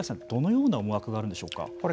どのような思惑があるんでしょうか。